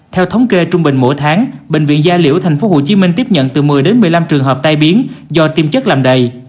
theo thống kê trung bình mỗi tháng bệnh viện gia liễu tp hcm tiếp nhận từ một mươi đến một mươi năm trường hợp tai biến do tiêm chất làm đầy